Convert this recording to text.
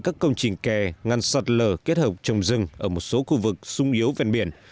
các công trình kè ngăn sạt lở kết hợp trồng rừng ở một số khu vực sung yếu ven biển